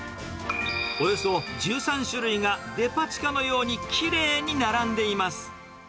およそ１３種類がデパ地下のようにきれいに並んでいます。